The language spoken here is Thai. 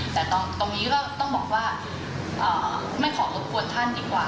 แต่ตรงนี้ก็ต้องบอกว่าไม่ขอรบกวนท่านดีกว่า